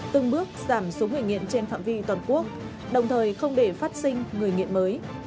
từng bước giảm số người nghiện trên phạm vi toàn quốc đồng thời không để phát sinh người nghiện mới